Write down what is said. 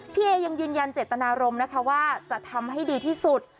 พี่เอยังยืนยันเจตนารมณ์นะคะว่าจะทำให้ดีที่สุด